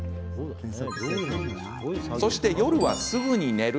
そして夜は、すぐに寝る。